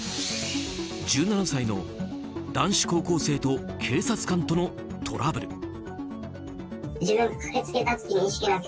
１７歳の男子高校生と警察官とのトラブル。